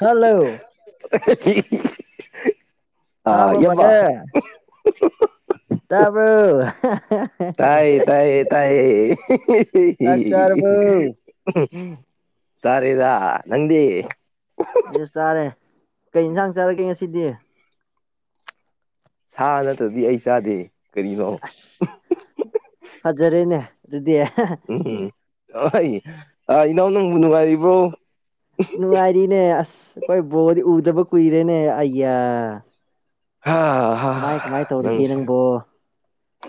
hello ꯑ ꯇꯥꯕ꯭ꯔꯣ ꯌꯕꯥ ꯇꯕ ꯇꯥꯏꯌꯦ ꯇꯥꯏꯌꯦ ꯇꯌꯦ ꯆꯥꯛ ꯆꯥꯔꯕꯣ ꯎ ꯁꯔꯗ ꯅꯪꯗꯤ ꯑꯩꯁꯨ ꯆꯥꯔꯦ ꯀꯩ ꯏꯟꯁꯥꯡ ꯆꯥꯔꯒꯦ ꯉꯁꯤꯗꯤ ꯁꯥ ꯅꯠꯇ꯭ꯔꯗꯤ ꯑꯩ ꯆꯥꯗꯦ ꯀꯔꯤꯅꯣ ꯑꯁ ꯐꯖꯔꯦꯅꯦ ꯑꯗꯨꯗꯤ ꯎꯝꯝ ꯍ ꯏꯅꯥꯎ ꯅꯪꯕꯨ ꯅꯨꯡꯉꯥꯏꯔꯤꯕ꯭ꯔꯣ ꯑꯁ ꯅꯨꯡꯉꯥꯏꯔꯤꯅꯦ ꯑꯁ ꯑꯩꯈꯣꯏ ꯕꯣꯗꯤ ꯎꯗꯕ ꯀꯨꯏꯔꯦꯅꯦ ꯑꯌꯥ ꯍꯥ ꯍꯥ ꯀꯃꯥꯏ ꯀꯃꯥꯏ ꯇꯧꯔꯤꯒꯦ ꯅꯪꯁꯦ ꯅꯪꯕꯣ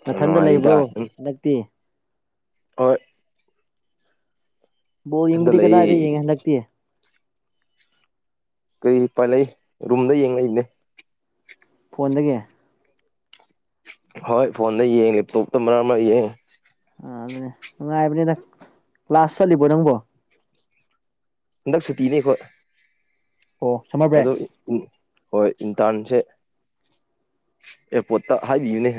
ꯅꯅꯥꯊꯟꯗ ꯅꯨꯡꯉꯥꯏꯔꯤꯗ ꯂꯩꯕ꯭ꯔꯣ ꯑꯗꯨꯝ ꯍꯟꯗꯛꯇꯤ ꯍꯣꯏ ꯣ ꯏꯊꯟꯇ ꯏꯪꯕꯨꯗꯤ ꯂꯩꯌꯦ ꯀꯗꯥꯗꯦ ꯌꯦꯡ ꯂꯛꯛꯇꯦ ꯀꯔꯤ ꯄꯥꯜꯂꯛꯏ ꯔꯨꯝꯗ ꯌꯦꯡꯛꯏꯅꯦ ꯐꯣꯟꯗꯒꯤ ꯍꯣꯏ ꯐꯣꯟꯗ ꯌꯦꯡꯉꯦ ꯂꯦꯞꯇꯣꯞꯇ ꯃꯔꯛ ꯃꯔ ꯌꯦꯡꯉꯦ ꯑ ꯑꯗꯨꯅꯦ ꯅꯨꯡꯉꯥꯏꯕꯅꯤꯗ ꯀ꯭ꯂꯥꯁ ꯆꯠꯂꯤꯕꯣ ꯅꯪꯕꯣ ꯍꯟꯗꯛ ꯁꯨꯇꯅꯦꯈꯣꯏ ꯑꯣ ꯁꯝꯃꯕ꯭ꯔꯦ ꯍꯣꯏ ꯏꯟꯇꯥꯟꯁꯦ ꯑꯦ ꯄꯇꯥ ꯇ ꯍꯥꯏꯕ ꯌꯨꯅꯦ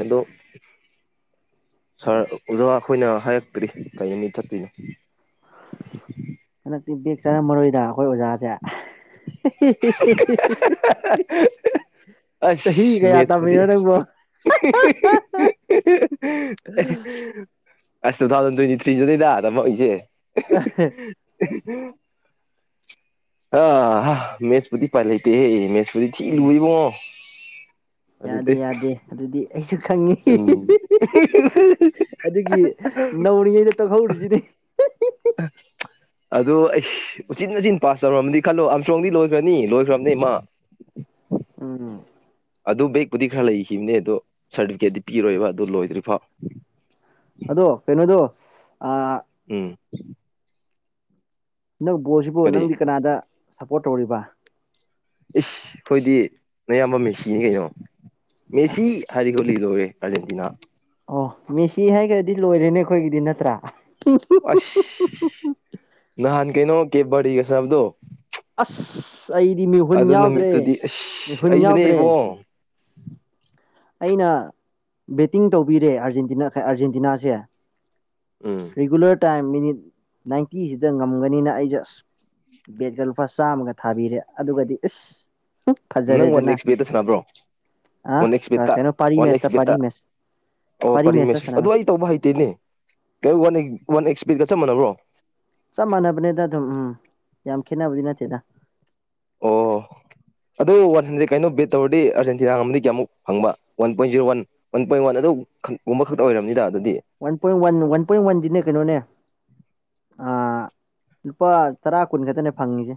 ꯁꯥꯔ ꯑꯣꯖꯥ ꯑꯩꯈꯣꯏꯅ ꯍꯥꯏꯔꯛꯇ꯭ꯔꯤ ꯀꯔꯤ ꯍꯥꯏꯅ ꯆꯠꯇꯣꯏꯅꯣ ꯍꯟꯗꯛꯇꯤ ꯕꯦꯛ ꯆꯥꯔꯝꯃꯔꯣꯏꯗ ꯑꯩꯈꯣꯏ ꯑꯣꯖꯥꯁꯦ [unintelligible] ꯆꯍꯤ ꯑꯁ ꯀꯌꯥ ꯃꯦꯆꯕꯗꯤ ꯇꯝꯃꯤꯅꯣ ꯅꯪꯕꯣ [unintelligible] ꯑꯁ ꯇꯨ ꯊꯥꯎꯖꯟ ꯇ꯭ꯋꯦꯟꯇꯤ ꯗꯅꯤꯗ ꯇꯝꯛ ꯏꯁꯦ ꯑ ꯃꯦꯁꯄꯨꯇꯤ ꯄꯥꯦꯇ ꯍꯦ ꯃꯦꯁꯄꯨꯇꯤ ꯊꯤ ꯎꯝ ꯂꯕꯣꯑꯣ ꯌꯥꯗꯦ ꯌꯥꯗꯦ ꯑꯗꯨꯗꯤ ꯑꯩꯁꯨ ꯈꯪꯉꯤ ꯎꯝ ꯑꯗꯨꯒꯤ ꯅꯧꯔꯤꯉꯩꯗ ꯇꯣꯛꯍꯧꯔꯤꯁꯤꯗꯤ ꯑꯗꯣ ꯑꯩꯁ ꯎꯆꯤꯟ ꯅꯧ ꯄꯥꯁ ꯇꯧꯔꯝꯃꯗꯤ ꯈꯜꯂꯣ ꯑꯝꯁꯣꯡꯗꯤ ꯂꯣꯏꯈ꯭ꯔꯅꯤ ꯂꯣꯏꯈ꯭ꯔꯕꯅꯤ ꯏꯃꯥ ꯅꯛꯄ ꯑꯗꯨ ꯕꯦꯛꯄꯨꯗꯤ ꯈꯔ ꯂꯩꯈꯤꯕꯅꯦ ꯑꯗꯣ ꯁꯥꯔꯇꯤꯐꯤꯀꯦꯗꯤ ꯄꯤꯔꯣꯏꯕ ꯑꯗꯨ ꯂꯣꯏꯗ꯭ꯔꯤ ꯐꯥꯎ ꯑꯗꯣ ꯀꯩꯅꯣꯗꯣ ꯎꯝ ꯅꯪ ꯕꯣꯜꯁꯤꯕꯨ ꯀꯔꯤ ꯅꯪꯗꯤ ꯀꯅꯥꯗ ꯁꯞꯄꯣꯔꯠ ꯇꯧꯔꯤꯕ ꯏꯁ ꯑꯩꯈꯣꯏꯗꯤ ꯅꯌꯥꯝꯕ ꯃꯦꯁꯤꯅꯤ ꯀꯩꯅꯣ ꯃꯦꯁꯤ ꯑꯁ ꯍꯥꯏꯔꯗꯤ ꯂꯤꯒꯧꯔꯦ ꯑꯔꯖꯦꯟꯇꯤꯅꯥ ꯑꯣ ꯃꯦꯁꯤ ꯍꯥꯏꯈ꯭ꯔꯗꯤ ꯂꯣꯏꯔꯦꯅꯦ ꯑꯩꯈꯣꯏꯒꯤꯗꯤ ꯅꯠꯇ꯭ꯔꯥ ꯑꯁ ꯅꯍꯥꯟ ꯀꯩꯅꯣ ꯀꯦꯕ ꯕꯔꯗꯤ ꯒꯥ ꯁꯅꯥꯕꯗꯣ ꯑꯁ ꯑꯩꯗꯤ ꯃꯤꯍꯨꯟ ꯌꯥꯎꯗ꯭ꯔꯦ ꯅꯨꯃꯤꯠꯇꯨꯗꯤ ꯑꯁ ꯃꯤꯍꯨꯟ ꯑꯩꯁꯨꯅꯦ ꯌꯥꯎꯗ꯭ꯔꯦ ꯏꯕꯨꯡꯉꯣ ꯑꯩꯅ ꯕꯦꯠꯇꯤꯡ ꯇꯧꯕꯤꯔꯦ ꯑꯥꯔꯖꯦꯟꯇꯤꯅꯥ-ꯑꯥꯔꯖꯦꯟꯇꯤꯅꯥꯁꯦ ꯎꯝ ꯔꯤꯒꯨꯂꯔ ꯇꯥꯏꯝ ꯃꯤꯅꯤꯠ ꯅꯥꯏꯟꯇꯤꯁꯤꯗ ꯉꯝꯒꯅꯤꯅ ꯑꯩꯖꯦ ꯑꯁ ꯕꯦꯒꯀ ꯂꯨꯄꯥ ꯆꯥꯝꯃꯒ ꯊꯥꯕꯤꯔꯦ ꯑꯗꯨꯒꯗꯤ ꯏꯁ ꯅꯪ ꯋꯥꯟ ꯐꯖꯔꯦꯗꯅ ꯋꯤꯛꯁ ꯕꯤꯗ ꯁꯅꯕ꯭ꯔꯣ ꯋꯥꯟ ꯑ ꯋꯤꯛꯁ ꯕꯤ ꯇ ꯀꯩꯅꯣ ꯄꯥꯔꯤ ꯋꯥꯟ ꯃꯦꯁꯇ ꯋꯤꯛꯁ ꯕꯤ ꯇ ꯄꯥꯔꯤ ꯃꯦꯁ [unintelligible] ꯑꯣ ꯄꯥꯔꯤ ꯃꯦꯁꯇ ꯄꯔꯤꯃꯦꯁ ꯑꯗꯨ ꯁꯥꯟꯅꯕꯅꯦ ꯑꯩ ꯇꯧꯕ ꯍꯩꯇꯦꯅꯦ ꯀ ꯋꯥꯟ ꯑꯦꯛꯁꯄꯤꯗꯀ ꯆꯞ ꯃꯥꯟꯅꯕ꯭ꯔꯣ ꯆꯞ ꯃꯥꯟꯅꯕꯅꯦꯗ ꯑꯗꯨꯝ ꯎꯝ ꯌꯥꯝ ꯈꯦꯠꯅꯕꯗꯤ ꯅꯠꯇꯦꯗ ꯑꯣ ꯑꯗꯨ ꯋꯥꯟ ꯍꯟꯗ꯭ꯔꯦꯗ ꯀꯩꯅꯣ ꯕꯦꯠ ꯇꯧꯔꯗꯤ ꯑꯔꯖꯦꯟꯇꯤꯅꯥ ꯉꯝꯗꯤ ꯀꯌꯥꯃꯨꯛ ꯐꯪꯕ one point zero one one point one ꯑꯗꯨ ꯄꯣꯝꯕ ꯈꯛꯇ ꯑꯣꯏꯔꯕꯝꯅꯤꯗ one point one one point ꯋꯥꯟꯗꯤꯅꯦ ꯀꯩꯅꯣꯅꯦ ꯑ ꯂꯨꯄꯥ ꯇꯔꯥ ꯀꯨꯟ ꯈꯛꯇꯅꯦ ꯐꯪꯉꯤꯁꯦ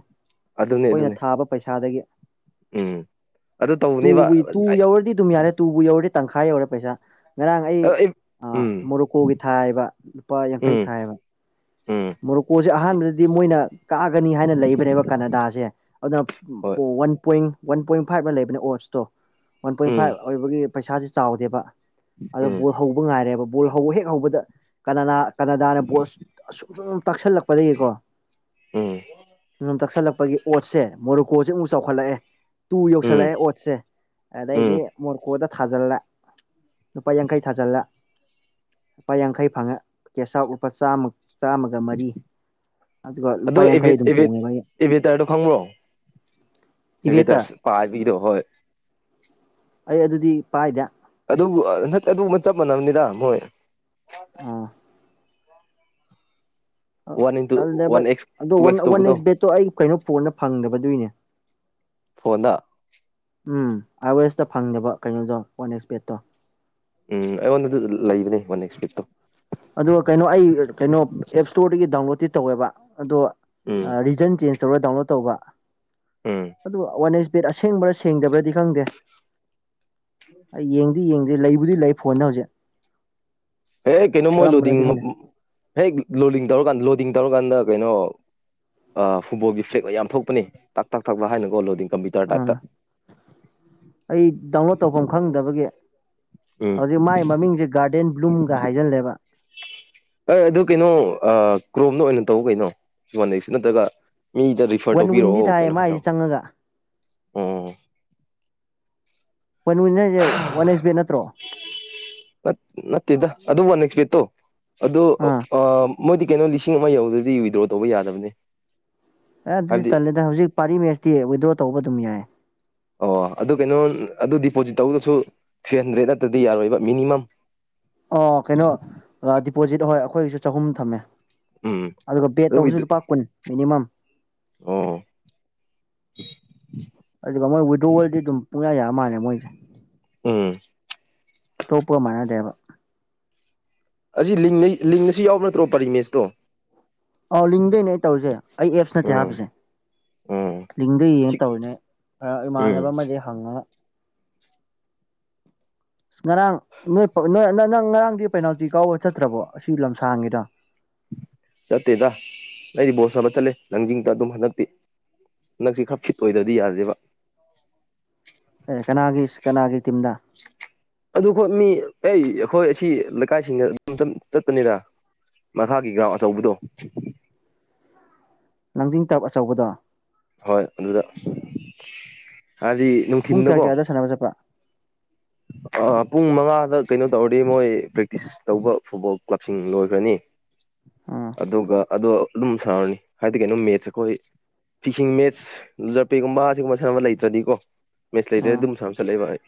ꯑꯗꯨꯅꯦ ꯑꯩꯈꯣꯏꯅ ꯑꯗꯨꯅꯦ ꯊꯥꯕ ꯄꯩꯁꯥꯗꯒꯤ ꯎꯝ ꯑꯗꯨ ꯇꯧꯕꯅꯦꯕ ꯇꯨ-ꯇꯨ ꯌꯧꯔꯗꯤ ꯗꯨꯝ ꯌꯥꯔꯦ ꯇꯨꯕꯨ ꯌꯧꯔꯗꯤ ꯇꯪꯈꯥꯏ ꯌꯧꯔꯦ ꯄꯩꯁꯥ ꯉꯔꯥꯡ ꯑꯩ ꯎꯝ ꯃꯣꯔꯨꯀꯣꯒꯤ ꯊꯥꯏꯕ ꯂꯨꯄꯥ ꯌꯥꯡꯈꯩ ꯎꯝ ꯊꯥꯏꯕ ꯎꯝ ꯃꯣꯔꯣꯀꯣꯁꯦ ꯑꯍꯥꯟꯕꯗꯗꯤ ꯃꯣꯏꯅ ꯀꯥꯒꯅꯤ ꯍꯥꯏꯅ ꯂꯩꯕꯅꯦꯕ ꯀꯅꯥꯗꯥꯁꯦ ꯑꯗꯨꯅ ꯍꯣꯏ ꯑꯣ ꯋꯥꯟ ꯄꯣꯏꯟ ꯋꯥꯟ ꯄꯣꯏꯟ ꯐꯥꯏꯚꯅ ꯂꯩꯕꯅꯦ ꯑꯣꯠꯁꯇꯣ ꯋꯥꯟ ꯄꯣꯏꯟ ꯎꯝ ꯐꯥꯏꯚ ꯑꯣꯏꯕꯒꯤ ꯄꯩꯁꯥꯥ ꯆꯥꯎꯗꯦꯕ ꯑꯗꯣ ꯎꯝ ꯕꯣꯜ ꯍꯧꯕ ꯉꯥꯏꯔꯦꯕ ꯕꯣꯜ ꯍꯧꯕ ꯍꯦꯛ ꯍꯧꯕꯗ ꯀꯅꯅꯥ-ꯀꯅꯥꯗꯥꯅ ꯕꯣꯜ ꯑꯁꯨꯝ ꯁꯨꯝ ꯇꯛꯁꯜꯂꯛꯄꯗꯒꯤꯀꯣ ꯎꯝ ꯁꯝ ꯆꯁꯜꯂꯛꯄꯒꯤ ꯑꯣꯠꯁꯦ ꯃꯣꯔꯣꯀꯣꯁꯦ ꯑꯃꯨꯛ ꯆꯥꯎꯈꯠꯂꯛꯑꯦ ꯇꯨ ꯎꯝ ꯌꯧꯁꯜꯂꯛꯑꯦ ꯑꯣꯠꯁꯦ ꯎꯝ ꯑꯗꯩꯗꯤ ꯃꯣꯔꯀꯣꯗ ꯊꯥꯖꯤꯜꯂꯦ ꯂꯨꯄꯥ ꯌꯥꯡꯈꯩ ꯊꯥꯖꯤꯜꯂꯦ ꯂꯨꯄꯥ ꯌꯥꯡꯈꯩ ꯐꯪꯉꯦ ꯀꯦꯁ ꯑꯥꯎꯠ ꯂꯨꯄꯥ ꯆꯥꯃ-ꯆꯥꯝꯃꯒ ꯃꯔꯤ ꯑꯗꯨꯒ ꯂꯨꯄꯥ ꯑꯗꯨ ꯌꯥꯡꯈꯩ ꯑꯗꯨꯝ ꯇꯣꯡꯉꯦꯕ ꯑꯩ ꯏꯕꯦꯇꯔꯗꯨꯣ ꯈꯪꯕ꯭ꯔꯣ [unintelligible] ꯏꯕꯦꯇꯔ ꯚꯗꯔ ꯄꯥꯕꯤꯗ ꯍꯣꯏ [unintelligible] ꯑꯩ ꯑꯗꯨꯗꯤ ꯄꯥꯏꯗꯦ ꯑꯗꯨꯕꯨ ꯅ ꯑꯗꯨꯒ ꯑꯃ ꯆꯞ ꯃꯥꯟꯅꯕꯅꯤꯗ ꯍꯣꯏ ꯑꯥ ꯋꯥꯟ ꯏꯟꯇꯨ ꯆ ꯋꯥꯟ ꯑꯦꯛꯁ ꯇꯨ ꯑ ꯑꯦꯛꯁ ꯋꯥꯟ ꯇꯧꯕꯗꯣ ꯅꯁ ꯕꯦꯗꯠꯇꯣ ꯑꯩ ꯀꯩꯅꯣ ꯄꯣꯏꯟꯠ ꯐꯪꯗꯕꯗꯨꯏꯅꯦ ꯐꯣꯟꯅꯗ ꯎꯝ ꯑꯥꯏ ꯑꯣ ꯑꯦꯁꯇ ꯐꯪꯗꯕ ꯀꯩꯅꯣꯗꯣ ꯋꯥꯟ ꯑꯦꯛꯁ ꯄꯦꯠꯇꯣ ꯎꯝ ꯑꯩꯉꯣꯟꯗꯗꯤ ꯂꯩꯕꯅꯦ ꯋꯥ ꯅꯦꯛꯁ ꯋꯤꯛꯇꯣ [unintelligible] ꯑꯗꯣ ꯀꯩꯅꯣ ꯑꯩ ꯀꯩꯅꯣ ꯑꯦꯞ ꯏꯁꯇꯣꯔꯗꯒꯤ ꯗꯥꯎꯟꯂꯣꯗꯇꯤ ꯇꯧꯋꯦꯕ ꯑꯗꯣ ꯎꯝ ꯔꯤꯖꯟ ꯆꯦꯟꯖ ꯇꯧꯔꯒ ꯗꯥꯎꯟꯂꯣꯗ ꯇꯧꯕ ꯎꯝ ꯑꯗꯨꯒ ꯋꯥꯔꯅꯦꯁ ꯄꯦꯠ ꯑꯁꯦꯡꯕ꯭ꯔꯥ ꯁꯦꯡꯗꯕ꯭ꯔꯗꯤ ꯈꯪꯗꯦ ꯑꯩ ꯌꯦꯡꯗꯤ ꯌꯦ ꯑꯗꯨ ꯂꯩꯕꯨꯗꯤ ꯂꯩ ꯐꯣꯟꯅꯗ ꯍꯧꯖꯤꯛ ꯑꯦ ꯀꯩꯅꯣ ꯃꯣꯏ ꯂꯣꯗꯤꯡ ꯀꯔꯝꯕꯅꯣꯗꯤ ꯈꯪꯗꯦ ꯍꯦꯛ ꯂꯣꯗꯤꯡ ꯇꯧꯔꯀꯥꯟꯗ ꯂꯣꯗꯤꯡ ꯂꯣꯗꯤꯡ ꯇꯧꯔꯀꯥꯟꯗ ꯀꯩꯅꯣ ꯐꯨꯠꯕꯣꯜꯒꯤ ꯐ꯭ꯂꯦꯛ ꯃꯥꯌꯥꯝ ꯊꯣꯛꯄꯅꯤ ꯇꯥꯛ-ꯇꯥꯛ ꯊꯥꯛ-ꯇꯥꯛ ꯍꯥꯏꯅꯀꯣ ꯂꯣꯗꯤꯡ ꯇꯣ ꯇꯇ ꯑꯥ [unintelligible] ꯑꯩ ꯗꯥꯎꯟꯂꯣꯗ ꯇꯧꯐꯝ ꯈꯪꯗꯕꯒꯤ ꯎꯝ ꯍꯧꯖꯤꯛ ꯃꯥꯏ ꯃꯃꯤꯡꯁꯦ ꯒꯥꯔꯗꯦꯟ ꯕ꯭ꯂꯨꯝꯒ ꯍꯥꯏꯖꯤꯜꯂꯦꯕ ꯑꯦ ꯑꯗꯨ ꯀꯩꯅꯣ ꯀ꯭ꯔꯣꯝꯅ ꯑꯣꯏꯅ ꯇꯧ ꯀꯩꯅꯣ ꯋꯥꯗꯦꯛꯁꯨ ꯅꯠꯇ꯭ꯔꯒ ꯃꯤꯗ ꯔꯤꯐꯔ ꯋꯥꯟ ꯋꯤꯟꯗꯤ ꯇꯧꯕꯤꯔꯛꯑꯣ ꯊꯥꯏꯌꯦ ꯀꯩꯅꯣ ꯃꯥꯏꯁꯦ ꯍꯥꯏꯔꯛꯑꯣ ꯆꯪꯉꯒ ꯎ ꯋꯥꯟ ꯋꯤꯟ ꯍꯥꯏꯁꯦ ꯍꯥ ꯋꯥꯟ ꯑꯦꯛꯁ ꯕꯦꯠ ꯅꯠꯇ꯭ꯔꯣ ꯅꯠ ꯅꯠꯇꯦꯗ ꯑꯗꯨ ꯃꯅꯩ ꯁꯄꯦꯠꯇꯣ ꯑꯗꯣ ꯑꯥ ꯃꯣꯏꯗꯤ ꯀꯩꯅꯣ ꯂꯤꯁꯤꯡ ꯑꯃ ꯌꯧꯗꯗꯤ ꯋꯤꯗ꯭ꯔꯣ ꯇꯧꯕ ꯌꯥꯗꯕꯅꯦ ꯑꯦ ꯑꯗꯨꯗꯤ ꯇꯜꯂꯦꯗ ꯍꯧꯖꯤꯛ ꯄꯥꯔꯤ ꯃꯦꯁꯇꯤ ꯋꯤꯗ꯭ꯔꯣ ꯇꯧꯕ ꯑꯗꯨꯝ ꯌꯥꯏ ꯑꯣ ꯑꯗꯨ ꯀꯩꯅꯣ ꯑꯗꯨ ꯗꯤꯄꯣꯖꯤꯠ ꯇꯧꯕꯗꯁꯨ ꯊ꯭ꯔꯤ ꯍꯟꯗ꯭ꯔꯦꯗ ꯅꯠꯇꯗꯤ ꯌꯥꯔꯣꯏꯕ ꯃꯤꯅꯤꯃꯝ ꯑꯣ ꯀꯩꯅꯣ ꯗꯤꯄꯣꯖꯤꯠ ꯍꯣꯏ ꯑꯩꯈꯣꯏꯒꯤꯁꯨ ꯆꯍꯨꯝ ꯊꯝꯃꯦ ꯎꯝ ꯑꯗꯨꯒ ꯄꯦ ꯇꯧꯕꯁꯨ ꯑꯗꯨꯒꯤꯗꯤ ꯂꯨꯄꯥ ꯀꯨꯟ ꯃꯤꯅꯤꯃꯝ ꯑꯣ [inaudible] ꯑꯗꯨ ꯃꯣꯏ ꯋꯤꯗꯣ ꯋꯥꯔꯜꯗꯤ ꯑꯗꯨꯝ ꯄꯨꯡꯌꯥ ꯌꯥ ꯃꯥꯜꯂꯦ ꯃꯣꯏꯁꯦ ꯎꯝ ꯇꯣꯞꯄ ꯃꯅꯥꯗꯦꯕ ꯑꯁꯤ ꯂꯤꯡ ꯑꯁꯤ ꯌꯥꯎꯕ ꯅꯠꯇ꯭ꯔꯣ ꯄꯔꯤꯃꯦꯁꯇꯣ ꯑꯥꯎ ꯂꯤꯡꯗꯣꯏꯅꯦ ꯑꯩ ꯇꯧꯔꯤꯁꯦ ꯑꯩ ꯑꯦꯞꯁ ꯅꯠꯇꯦ ꯎꯝ ꯍꯥꯞꯄꯤꯁꯦ ꯎꯝ ꯂꯤꯡꯗ ꯌꯦꯡꯉ ꯁꯤꯛ ꯇꯧꯔꯤꯅꯦ ꯏꯃꯥꯟꯅꯕ ꯎꯝ ꯑꯃꯗꯤ ꯍꯪꯉ ꯉꯔꯥꯡ ꯅꯣꯏ ꯅꯣꯏ ꯅ ꯅꯪ ꯉꯔꯥꯡꯗꯤ ꯄꯦꯅꯥꯜꯇꯤ ꯀꯥꯎꯕ ꯆꯠꯇ꯭ꯔꯕꯣ ꯑꯁꯤ ꯂꯝꯁꯥꯡꯒꯤꯗ ꯆꯠꯇꯦꯗ ꯅꯗꯤ ꯕꯣꯁ ꯁꯥꯕ ꯆꯠꯂꯦ ꯂꯪꯖꯤꯡꯗ ꯑꯗꯨꯝ ꯍꯟꯗꯛꯇꯤ ꯅꯪꯁꯤ ꯈꯔ ꯐꯤꯠ ꯑꯣꯏꯗ꯭ꯔꯗꯤ ꯌꯥꯗꯦꯕ ꯑꯦ ꯀꯅꯥꯒꯤ ꯀꯅꯥꯒꯤ ꯇꯤꯝꯗ ꯑꯗꯨꯈꯣ ꯃꯤ ꯑꯩ ꯑꯩꯈꯣꯏ ꯑꯁꯤ ꯂꯩꯀꯥꯏꯁꯤꯡꯗ ꯑꯗꯨꯝ ꯆꯠꯄꯅꯤꯔ ꯃꯊꯥꯒꯤ ꯒ꯭ꯔꯥ ꯑꯆꯧꯕꯗꯣ ꯂꯥꯡꯖꯤꯡ ꯇꯞ ꯑꯆꯧꯕꯗꯣ ꯍꯣꯏ ꯑꯗꯨꯗ ꯍꯥꯏꯗꯤ ꯄꯨꯡ ꯀꯌꯥ ꯅꯨꯡꯊꯤꯤꯟꯗꯀꯣ ꯀꯌꯥꯗ ꯁꯥꯟꯅꯕ ꯆꯠꯄ [inaudible] ꯄꯨꯡ ꯃꯉꯥꯗ ꯀꯩꯅꯣ ꯇꯧꯔꯗꯤ ꯃꯣꯏ ꯄ꯭ꯔꯦꯛꯇꯤꯁ ꯇꯧꯕ ꯐꯨꯠꯕꯣꯜ ꯀ꯭ꯂꯕꯁꯤꯡ ꯂꯣꯏꯈ꯭ꯔꯅꯤ [inaudible] ꯑꯗꯨꯒ ꯑꯗꯨ ꯑꯗꯨꯝ ꯁꯥꯟꯔꯅꯤ ꯍꯥꯏꯗꯤ ꯀꯩꯅꯣ ꯃꯦꯠꯁ ꯑꯩꯈꯣꯏ ꯐꯤꯛꯁꯤꯡ ꯃꯦꯠꯁ ꯖꯔꯄꯦꯒꯨꯝꯕ ꯑꯁꯤꯒꯨꯝꯕ ꯁꯥꯟꯅꯕ ꯂꯩꯇ꯭ꯔꯗꯤꯀꯣ ꯃꯦꯁꯂꯗꯨ ꯎꯝ ꯑꯗꯨꯝ ꯁꯥꯝ ꯆꯠꯂ ꯚꯥꯏ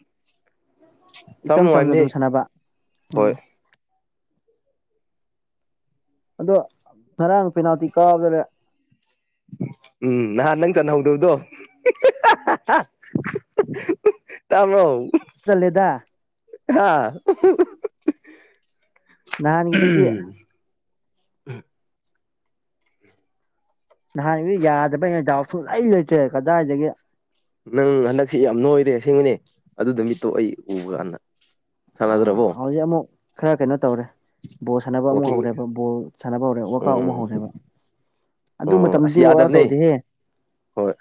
ꯏꯆꯝ ꯆꯝꯅ ꯑꯗꯨꯝ ꯁꯥꯟꯅꯕ ꯎꯝ ꯍꯣꯏ ꯑꯗꯣ ꯉꯔꯥꯡ ꯄꯦꯅꯥꯜꯇꯤ ꯀꯥꯕꯗ ꯂꯩꯦ ꯎꯝ ꯅꯍꯥꯟ ꯅꯪ ꯆꯅꯍꯧꯗꯕꯗꯣ ꯇꯥꯕ꯭ꯔꯣ ꯆꯜꯂꯦꯗ ꯍꯥ ꯅꯍꯥꯟꯒꯤꯗꯨꯗꯤ ꯎꯝ ꯅꯍꯥꯟ ꯒꯤꯗꯨꯗꯤ ꯌꯥꯗꯕ꯭ꯔꯩꯅ ꯗꯥꯎꯁꯨꯡꯂꯩ ꯂꯩꯇ꯭ꯔꯦ ꯀꯗꯥꯏꯗꯒꯤ ꯅꯪ ꯍꯟꯗꯛꯁꯤ ꯌꯥꯝ ꯅꯣꯏꯔꯦ ꯑꯁꯦꯡꯕꯅꯦ ꯑꯗꯨꯗ ꯃꯤꯠꯇꯣ ꯑꯩ ꯎꯕ ꯀꯥꯟꯗ ꯑꯥ ꯁꯥꯟꯅꯗ꯭ꯔꯕꯣ ꯍꯧꯖꯤꯛ ꯑꯃꯨꯛ ꯈꯔ ꯀꯩꯅꯣ ꯇꯧꯔꯦ ꯕꯣꯜ ꯁꯥꯟꯅꯕ ꯑꯃ ꯋꯥꯛꯀꯤꯡ ꯍꯧꯔꯦꯕ ꯕꯣꯜ ꯁꯥꯟꯅꯕ ꯍꯧꯔꯦ ꯋꯥꯛꯑꯥꯎꯠ ꯎꯝ ꯑꯃꯨꯛ ꯍꯧꯔꯦꯕ ꯑꯗꯨ ꯑꯣ ꯑꯁ ꯃꯇꯝꯗꯤ ꯋꯥꯔ ꯌꯥꯗꯕꯅꯦ ꯇꯧꯗꯦꯍꯦ ꯍꯣꯏ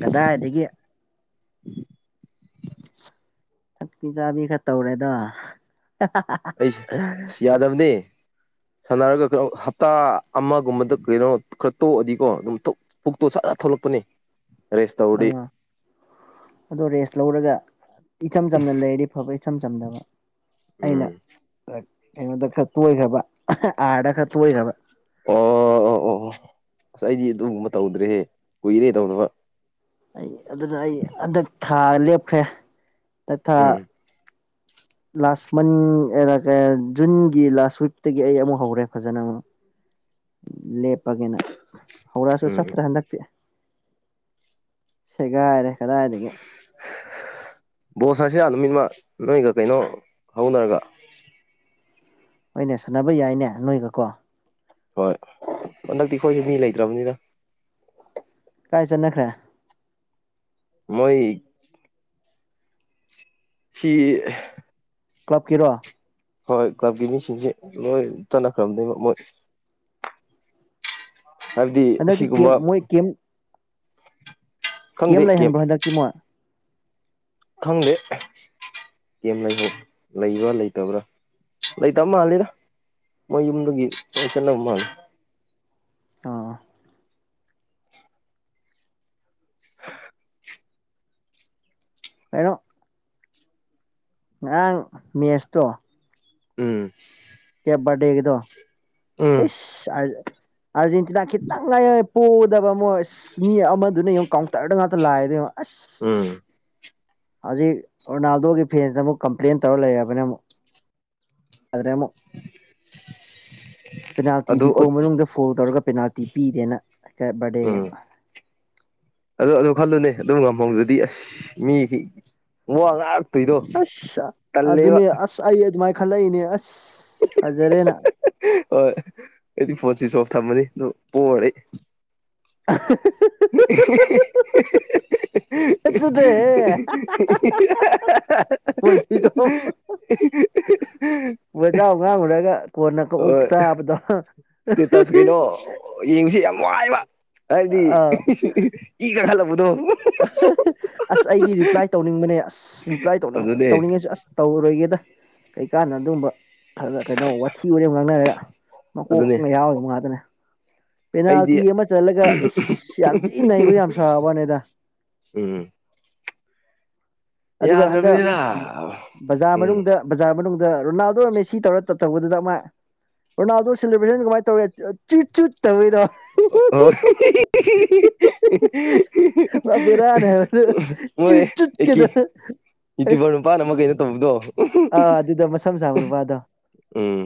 ꯀꯗꯥꯏꯗꯒꯤ [inaudible] ꯊꯛꯄꯤ ꯆꯥꯕꯤ ꯈꯔ ꯇꯧꯔꯦꯗ [inaudible] ꯑꯩꯁꯦ ꯑꯁ ꯌꯥꯗꯕꯅꯦ [inaudible] ꯁꯥꯟꯅꯔꯒ ꯈꯔ ꯍꯞꯇꯥ ꯑꯃꯒꯨꯝꯕꯗ ꯀꯩꯅꯣ ꯈꯔ ꯇꯣꯛꯑꯗꯤꯀꯣ ꯑꯗꯨꯝ ꯄꯨꯛꯇꯣ ꯁꯥꯖꯥ ꯊꯣꯛꯂꯛꯄ ꯄꯨꯅꯤ ꯔꯦꯁ ꯇꯧꯔꯤ ꯑꯥ ꯑꯗꯣ ꯔꯦꯁ ꯂꯧꯔꯒ ꯏꯆꯝ ꯆꯝꯅ ꯂꯩꯔꯤ ꯐꯕ ꯏꯆꯝ ꯆꯝꯅꯕ ꯑꯩꯅ ꯎꯝ ꯀꯩꯅꯣꯗ ꯈꯔꯥ ꯇꯣꯡꯔꯕ ꯔ ꯗꯥ ꯇꯔꯥ ꯇꯣꯢꯔꯕ ꯑꯣ ꯑꯣ ꯑꯣ ꯑꯣ ꯑꯁ ꯑꯩꯗꯤ ꯑꯗꯨꯒꯨꯝꯕ ꯇꯧꯗ꯭ꯔꯦꯍꯦ ꯀꯨꯏꯔꯦ ꯇꯧꯗꯕ ꯑꯩ ꯑꯗꯨꯅ ꯑꯩ ꯍꯟꯗꯛ ꯊꯥ ꯂꯦꯞꯈ꯭ꯔꯦ ꯍꯟꯗꯛ ꯊꯥ ꯎꯝ ꯂꯥꯁ ꯃꯟ ꯖꯨꯟꯒꯤ ꯂꯥꯁ ꯋꯤꯛꯇꯒꯤ ꯑꯩ ꯑꯃꯨꯛ ꯍꯧꯔꯦ ꯐꯖꯅ ꯑꯃꯨꯛ ꯂꯦꯞꯄꯒꯦꯅ ꯍꯧꯔꯛꯑꯁꯨ ꯎꯝ ꯎꯝ ꯆꯠꯇ꯭ꯔꯦ ꯍꯟꯗꯛꯇꯤ ꯁꯦꯒꯥꯏꯔꯦ ꯀꯗꯥꯢꯗꯒꯤ ꯕꯣꯁ ꯍꯥꯏꯁꯤ ꯅꯨꯃꯤꯠꯃ ꯅꯣꯏꯒ ꯀꯩꯅꯣ ꯍꯧꯅꯔꯒ ꯍꯣꯏꯅꯦ ꯁꯥꯟꯅꯕ ꯌꯥꯏꯅꯦ ꯅꯣꯏꯒꯀꯣ ꯍꯣꯏ ꯍꯟꯗꯛꯇꯤ ꯑꯩꯈꯣꯏꯁꯨ ꯃꯤ ꯂꯩꯇ꯭ꯔꯕꯅꯤꯅ ꯀꯥꯏ ꯆꯠꯅꯈ꯭ꯔꯦ ꯃꯣꯏ ꯁꯤ ꯀ꯭ꯂꯕꯀꯤꯔꯣ ꯍꯣꯏ ꯀ꯭ꯂꯕꯀꯤ ꯃꯤꯁꯤꯡꯁꯦ ꯂꯣꯏ ꯆꯠꯅꯈꯔꯥꯕꯅꯦ ꯃꯣꯢ ꯍꯥꯏꯕꯗꯤ ꯍꯟꯗꯛꯇꯤ ꯀꯦꯝ ꯑꯁꯤꯒꯨꯝꯕ ꯃꯣꯏ ꯀꯦꯝ ꯈꯪꯗꯦ ꯀꯦꯝ ꯂꯩꯍꯟꯕ꯭ꯔꯣ ꯍꯟꯗꯛꯇꯤ ꯃꯣ ꯈꯡꯗꯦ ꯀꯦꯝ ꯂ ꯂꯩꯕ꯭ꯔꯥ ꯂꯩꯇꯕ꯭ꯔꯥ ꯂꯩꯇꯕ ꯃꯥꯂꯦꯗ ꯃ ꯌꯨꯝꯗꯨꯗꯒꯤ ꯆꯠꯅꯕ ꯃꯥꯟꯂꯦ ꯑꯥ ꯍꯥꯏꯅꯣ ꯉꯔꯥꯡ ꯃꯦꯠꯁꯇꯣ ꯎꯝ ꯀꯌꯥꯕꯔꯗꯦꯒꯗꯣ ꯎꯝ ꯏꯁ ꯑꯥꯔꯖꯦꯟꯇꯤꯅꯥ ꯈꯤꯇꯪ ꯉꯥꯏ ꯄꯣꯗꯕ ꯃꯣꯏ ꯃꯤ ꯑꯃꯗꯨꯅ ꯌꯦꯡꯎ ꯀꯥꯎꯟꯇꯔꯗ ꯉꯥꯛꯇ ꯂꯥꯛꯑꯦꯗ ꯌꯦꯡꯉꯣ ꯑꯁ ꯎꯝ ꯍꯧꯖꯤꯛ ꯔꯣꯅꯥꯜꯗꯣꯒꯤ ꯐꯦꯟꯁꯤꯇ ꯑꯃꯨꯛ ꯀꯝꯄ꯭ꯂꯦꯟ ꯇꯧꯔ ꯂꯩꯔꯕꯅꯤ ꯑꯃꯨꯛ ꯄꯦꯅꯥꯜꯇꯤ ꯑꯗꯨ ꯗꯤ ꯀꯣ ꯐꯣꯜ ꯇꯧꯔꯒ ꯄꯦꯅꯥꯜꯇꯤ ꯄꯤꯗꯦꯅ ꯕꯥꯔꯗꯦꯒ ꯎꯝ ꯑꯗꯨ ꯑꯗꯨ ꯈꯜꯂꯨꯅꯦ ꯑꯗꯨꯝ ꯉꯝꯍꯧꯖꯗꯤ ꯑꯁ ꯃꯤ ꯑꯁ ꯑꯗꯨꯅꯦ ꯑꯁ ꯑꯩ ꯑꯗꯨꯃꯥꯏꯅ ꯈꯜꯂꯛꯏꯅꯦ ꯑꯁ ꯐꯖꯔꯦꯅ ꯑꯣ ꯑꯦꯗꯤ ꯐꯣꯟ ꯁꯤꯁꯣꯐ ꯊꯝꯃꯅꯤ ꯑꯗꯨꯝ ꯄꯣꯔꯦ [unintelligible] [unintelligible] [unintelligible] ꯇꯨꯗꯦꯣ ꯆ [unintelligible] ꯋꯦꯖꯥꯎ ꯉꯥꯡꯉꯨꯔꯒ ꯀꯣꯟꯅ ꯀꯣꯛ ꯍꯣꯏ ꯆꯥꯕꯗꯣ ꯋꯥꯥꯏꯕ ꯍꯥꯏꯗꯤ ꯑꯥ ꯏꯒ ꯈꯜꯂꯛꯄꯗꯣ ꯑꯁ ꯑꯩꯗꯤ ꯔꯤꯄ꯭ꯂꯥꯏ ꯇꯧꯅꯤꯡꯕꯅꯦ ꯑꯁ ꯔꯤꯄ꯭ꯂꯥꯏ ꯇꯧꯅꯤꯡ ꯇꯧꯅꯤꯡꯉꯁꯨ ꯑꯁ ꯇꯧꯔꯣꯏꯒꯦꯗ ꯀꯩꯀꯥꯟꯅ ꯑꯗꯨꯕ ꯑꯗꯨ ꯀꯩꯅꯣ ꯋꯥꯊꯤ ꯋꯥꯦ ꯉꯥꯡꯅꯔꯦ ꯑꯗꯨꯅꯦ ꯃꯀꯣꯛꯅ ꯌꯥꯎꯋꯗ ꯃꯥꯗꯅꯦ ꯑꯩꯗꯤ ꯏꯁ ꯌꯥꯝ ꯊꯤ ꯅꯩꯕ ꯌꯥꯝ ꯁꯥꯕ ꯋꯥꯅꯤꯗ ꯎꯝ ꯑꯗꯨꯒ ꯍꯟꯗꯛ ꯌꯥꯗ꯭ꯔꯕꯅꯤꯅ ꯕꯖꯥꯔ ꯎꯝ ꯃꯅꯨꯡꯗ ꯕꯖꯥꯔ ꯃꯅꯨꯡꯗ ꯑꯗ ꯔꯣꯅꯥꯜꯗꯣꯔꯝ ꯁꯤ ꯇꯧꯔ ꯇꯞ ꯊꯧꯕꯗꯨꯗ ꯑꯃ ꯑꯣꯣꯦꯦꯁꯟ ꯀꯃꯥꯏꯅ ꯇꯧꯒꯦ ꯑ ꯄꯨꯔꯥ ꯕꯦꯔꯥꯅꯦ ꯍꯥꯏꯕ ꯃꯣꯏ ꯆꯨꯠ ꯆꯨꯠ ꯀꯗꯣ ꯏꯠꯇꯕ ꯄ ꯅ ꯃꯒꯩꯅ ꯇꯧꯕꯗꯣ ꯑꯥ ꯑꯗꯨꯗ ꯃꯁꯝ ꯁꯥꯥꯕ ꯅꯨ ꯋꯥꯗꯣ ꯎꯝ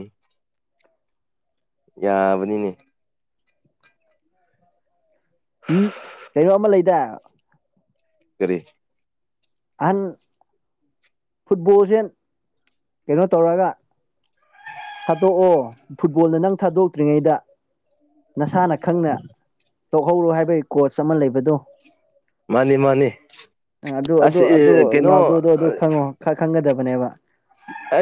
ꯌꯥꯕꯅꯤꯅꯦ ꯀꯩꯅꯣ ꯑꯃ ꯂꯩꯗ ꯀꯔꯤ ꯑꯍꯟ ꯐꯨꯠꯕꯣꯜꯁꯦ ꯀꯩꯅꯣ ꯇꯧꯔꯒ ꯊꯥꯗꯣꯛꯑꯣ ꯐꯨꯠꯕꯣꯜꯅ ꯅꯪ ꯊꯥꯗꯣꯛꯇ꯭ꯔꯤꯉꯩꯗ ꯅꯁꯥꯅ ꯈꯪꯅ ꯇꯧꯍꯧꯔꯣ ꯍꯥꯏꯕꯒꯤ ꯀꯣꯆ ꯑꯃ ꯂꯩꯕꯗꯨꯣ ꯃꯥꯅꯤ ꯃꯥꯅꯤ ꯑꯗꯨ ꯑꯗꯨ ꯑꯁ ꯑꯗꯨ ꯑꯦ ꯀꯩꯅꯣ ꯔꯨꯅꯥꯜꯗꯨꯗꯣ ꯑꯗꯨ ꯈꯪꯉꯣ ꯆꯪꯒꯗꯕꯅꯦꯕ ꯑ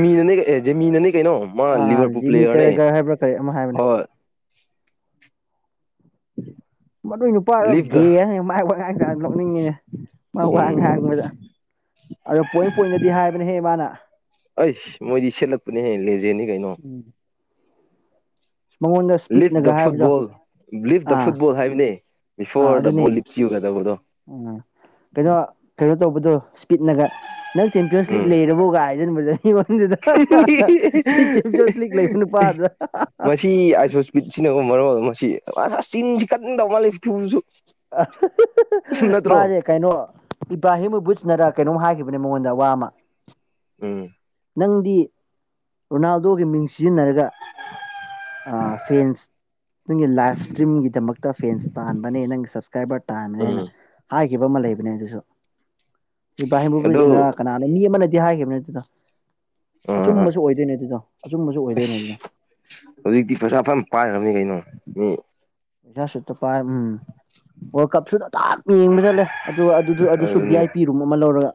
ꯃꯤ ꯑꯅꯤ ꯃꯤꯟ ꯑꯅꯤ ꯀꯩꯅꯣ ꯃꯥ ꯑꯥ ꯂꯤꯚꯔ ꯄꯨꯄ ꯖꯤꯃꯤ ꯂꯒꯅꯦ ꯀꯔꯦꯒꯔ ꯍꯥꯏꯕ꯭ꯔꯥ ꯀꯔꯤ ꯑꯃ ꯍꯥꯏꯕꯅꯦ ꯍꯣꯏ ꯃꯗꯨꯣꯏ ꯅꯨꯄꯥꯗꯣ ꯂꯤꯞ ꯗ ꯒꯦ ꯃꯥꯏ ꯋꯥ ꯉꯥꯡ ꯇ ꯂꯧꯣꯛꯅꯤꯡꯉꯤꯅꯦ ꯃꯥ ꯎꯝ ꯋꯥꯉ ꯍꯥꯡꯉ ꯃꯗ ꯑꯗꯣ ꯄꯣꯏꯟ ꯄꯣꯏꯟꯗꯗꯤ ꯍꯥꯏꯕꯅꯦꯍꯦ ꯃꯥꯅ ꯑꯩꯁ ꯃꯣꯏꯗꯤ ꯁꯦꯠꯂꯛꯄꯅꯦꯍꯦ ꯂꯦꯖꯦꯅꯤ ꯀꯩꯅꯣ ꯃꯉꯣꯟꯗ ꯂꯤꯞ ꯗ ꯏꯁꯄꯤꯠꯅꯒ ꯍꯥꯏꯕꯗꯣ ꯐꯨꯠꯕꯣꯜ ꯂꯤꯞ ꯗ ꯑꯥ ꯐꯨꯠꯕꯣꯜ ꯍꯥꯏꯕꯅꯦ ꯑ ꯕꯤꯐꯣꯔ ꯗ ꯑꯗꯨꯅꯦ ꯕꯣꯜ ꯂꯤꯞꯁ ꯌꯨ ꯀꯗꯧꯕꯗꯣ ꯎꯝ ꯀꯩꯅꯣ ꯀꯩꯅꯣ ꯇꯧꯕꯗꯣ ꯁ꯭ꯄꯤꯠꯅꯒ ꯅꯪ ꯆꯦꯝꯄꯤꯌꯟꯁ ꯂꯤꯛ ꯎꯝ ꯂꯩꯔꯕꯣꯒ ꯍꯥꯏꯖꯟꯕꯗ ꯟꯗ ꯆꯤꯞ ꯆꯣꯁꯂꯤꯛ ꯂꯩꯕ ꯅꯨꯄꯥꯗ꯭ꯔ ꯆꯁꯤ ꯀ ꯅꯠꯇ꯭ꯔꯣ ꯃꯥꯁꯦ ꯀꯩꯅꯣ ꯏꯕ꯭ꯔꯥꯍꯤꯝꯕꯨꯖꯅꯔ ꯀꯩꯅꯣꯝ ꯍꯥꯏꯈꯤꯕ ꯃꯉꯣꯟꯗ ꯋꯥ ꯑꯃ ꯎꯝ ꯅꯪꯗꯤ ꯔꯣꯅꯥꯜꯗꯣꯒꯤ ꯃꯤꯡ ꯁꯤꯖꯤꯟꯅꯔꯒ ꯐꯦꯟꯁ ꯅꯪꯒꯤ ꯂꯥꯏꯐ ꯏꯁꯇ꯭ꯔꯤꯝꯒꯤꯗꯃꯛꯇ ꯐꯦꯟꯁ ꯇꯥꯟꯕꯅꯦ ꯅꯪꯒꯤ ꯆꯞ ꯀ꯭ꯔꯥꯏꯕꯔ ꯇꯥꯝꯅꯦ ꯍꯥꯏꯅ ꯎꯝ ꯍꯥꯏꯈꯤꯕ ꯑꯃ ꯂꯩꯕꯅꯦ ꯑꯗꯨꯁꯨ ꯏꯕꯥ ꯑꯗꯨ ꯍꯕꯨꯁꯤꯅ ꯀꯅꯥꯅ ꯃꯤ ꯑꯃꯅꯗꯤ ꯍꯥꯏꯈꯤꯕ ꯅ ꯑꯗꯨꯗ ꯑꯥ ꯑꯁ ꯑꯆꯨꯝꯕꯁꯨ ꯑꯣꯏꯗꯣꯏꯅꯦ ꯑꯗꯨꯗꯣ ꯑꯆꯨꯝꯕꯁꯨ ꯑꯣꯏꯗꯣꯏꯅꯦ ꯑꯗꯨꯅ ꯍꯧꯖꯤꯛꯇꯤ ꯄꯩꯁꯥ ꯐꯅ ꯄꯥꯏꯈ꯭ꯔꯕꯅꯤ ꯀꯩꯅꯣ ꯄꯁꯥꯁꯤꯠꯇ ꯄꯥꯏ ꯎꯝ ꯋꯥꯔꯜ ꯀꯞꯁꯨꯗꯥꯝ ꯌꯦꯡꯕ ꯆꯠꯂꯦ ꯑꯗꯨꯒ ꯑꯗꯨ ꯑꯗꯨꯁꯨ ꯚꯤ ꯑꯗꯨꯅꯦ ꯑꯥꯏ ꯄꯤ ꯔꯨꯝ ꯑꯃ ꯂꯧꯔꯒ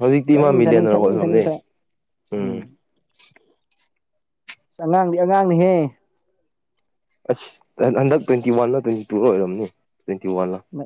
ꯍꯧꯖꯤꯛꯇꯤ ꯃꯥ ꯆꯠꯅꯤꯡ ꯆꯥꯅꯤꯡ ꯃꯤꯂꯤꯌꯅꯔ ꯊꯛꯅꯤꯡ ꯊꯛꯅꯤꯡ ꯑꯣꯏꯈ꯭ꯔꯕꯅꯦ ꯎꯝ ꯑꯁ ꯑꯉꯥꯡꯗꯤ ꯑꯉꯥꯡꯅꯤꯍꯦ ꯑꯁ ꯍꯟꯗꯛ ꯇ꯭ꯋꯦꯟꯇꯤ ꯋꯥꯟꯅ ꯇ꯭ꯋꯦꯟꯇꯤ ꯇꯨ ꯂ ꯑꯣꯏꯔꯝꯅꯤ ꯇ꯭ꯋꯦꯟꯇꯤ ꯋꯥꯟꯅ ꯅꯪ